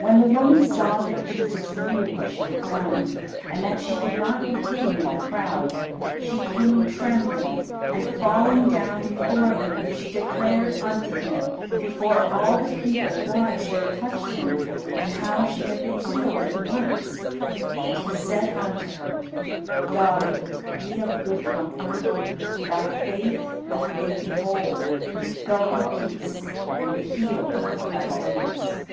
When the woman saw that Jesus knew what she had done, and that she could not be hidden in the crowd, she came trembling, and, falling down before Him, she declared unto Him before all the people why she had touched Him, and how she had been healed at once. And He said unto her, "Daughter, be of good comfort; thy faith hath made thee whole. Go in peace, and be healed of thy illness."